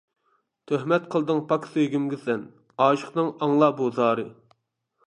تۆھمەت قىلدىڭ پاك سۆيگۈمگە سەن، ئاشىقىڭنىڭ ئاڭلا بۇ زارى.